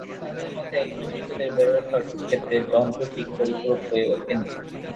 তাঁদের মতে, এখনো শিশুদের বেড়ে ওঠার ক্ষেত্রে যন্ত্র ঠিক পরিপূরক হয়ে ওঠেনি।